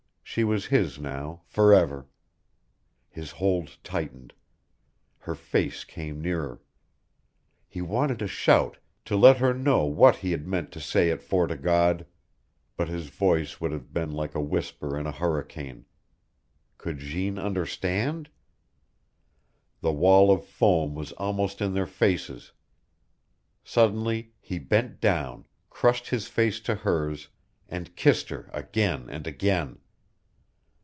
She was his now forever. His hold tightened. Her face came nearer. He wanted to shout, to let her know what he had meant to say at Fort o' God. But his voice would have been like a whisper in a hurricane. Could Jeanne understand? The wall of foam was almost in their faces. Suddenly he bent down, crushed his face to hers, and kissed her again and again.